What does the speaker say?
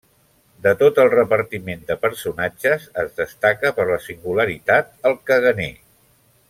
De tot el repartiment de personatges, es destaca per la singularitat el caganer.